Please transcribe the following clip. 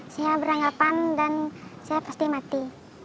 saya beranggapan dan saya pasti mati